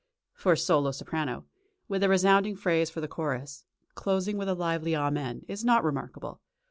for soprano solo, with a responding phrase for the chorus, closing with a lively Amen, is not remarkable.